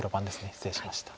失礼しました。